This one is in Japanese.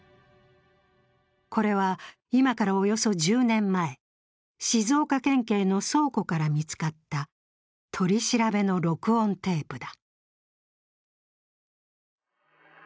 これは今からおよそ１０年前、静岡県警の倉庫から見つかった取り調べの録音テープだ。